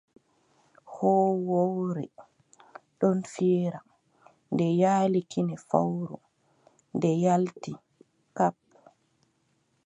Hoowowre ɗon fiira, nde yaali kine fowru, nde yaalti. Kap!